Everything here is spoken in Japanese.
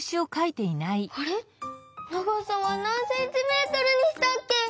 あれ長さはなんセンチメートルにしたっけ？